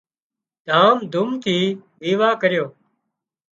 ڌام ڌُوم ٿِي ويواه ڪريو